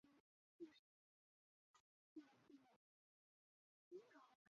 目前联盟号大约每六个月运送太空人上下国际太空站。